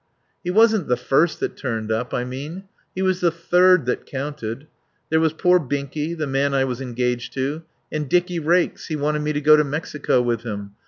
"He wasn't the first that turned up, I mean. He was the third that counted. There was poor Binky, the man I was engaged to. And Dicky Raikes; he wanted me to go to Mexico with him.